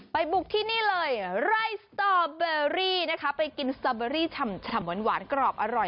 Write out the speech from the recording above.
บุกที่นี่เลยไร่สตอเบอรี่นะคะไปกินสตอเบอรี่ฉ่ำหวานกรอบอร่อย